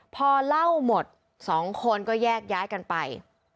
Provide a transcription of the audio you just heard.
พอเล่าหมดสองคนก็แยกย้ายกันไป